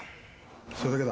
それだけだ。